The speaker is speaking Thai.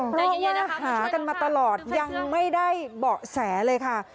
เพราะว่าหากันมาตลอดยังไม่ได้เบาะแสเลยค่ะ